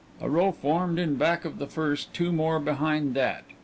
A row formed in back of the first, two more behind that.